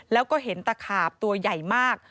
แล้วก็เห็นตะขาบตัวใหญ่มาก